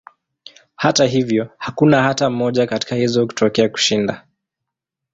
Hata hivyo, hakuna hata moja katika hizo kutokea kushinda.